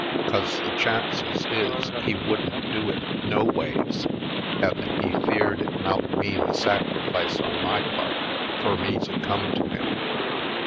'Cause the chances is he wouldn't do it, noways, effen he feared it mout mean a sacrifice on my part fur me to come to him.